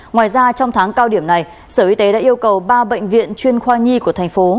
ngoài ra trong tháng cao điểm này sở y tế đã yêu cầu ba bệnh viện chuyên khoa nhi của thành phố